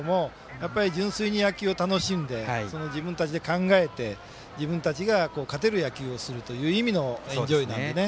やっぱり純粋に野球を楽しんで自分たちで考えて自分たちが勝てる野球をするという意味のエンジョイなのでね。